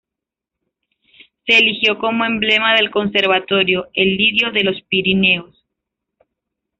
Se eligió como emblema del conservatorio, el lirio de los Pirineos.